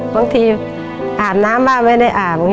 บางทีอาบน้ำบ้างไม่ได้อาบ